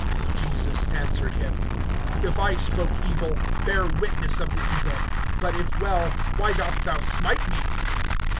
(23)Jesus answered him: If I spoke evil, bear witness of the evil; but if well, why dost thou smite me?